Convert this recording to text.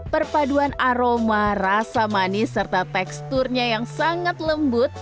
perpaduan aroma rasa manis serta teksturnya yang sangat lembut